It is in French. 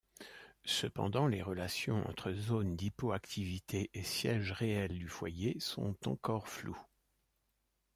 Cependant, les relations entre zones d'hypoactivité et siège réel du foyer sont encore floues.